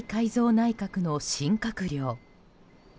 内閣の新閣僚。